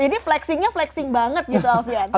jadi flexingnya flexing banget gitu alfian